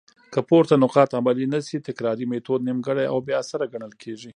که پورته نقاط عملي نه سي؛ تکراري ميتود نيمګړي او بي اثره ګڼل کيږي.